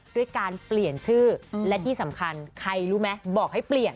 ด้วยการเปลี่ยนชื่อและที่สำคัญใครรู้ไหมบอกให้เปลี่ยน